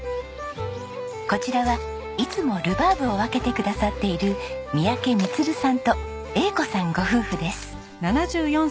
こちらはいつもルバーブを分けてくださっている三宅満さんとえい子さんご夫婦です。